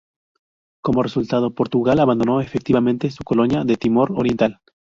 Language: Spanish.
Como resultado, Portugal abandonó efectivamente su colonia de Timor Oriental.